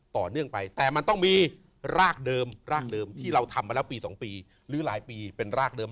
ต่อเนื่องไปแต่มันต้องมีรากเดิมรากเดิมที่เราทำมาแล้วปี๒ปีหรือหลายปีเป็นรากเดิม